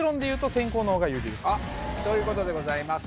あっということでございます